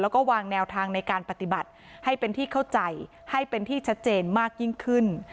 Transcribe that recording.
แล้วก็วางแนวทางในการปฏิบัติให้เป็นที่เข้าใจให้เป็นที่ชัดเจนมากยิ่งขึ้น